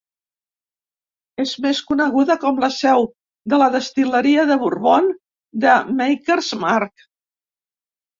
És més coneguda com la seu de la destil·leria de bourbon de Maker's Mark.